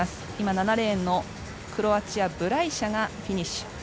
７レーンのクロアチアブライシャがフィニッシュ。